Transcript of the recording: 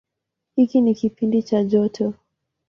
Hiki ni kipindi cha joto.